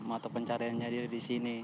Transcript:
atau pencariannya jadi di sini